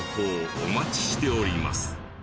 お待ちしております。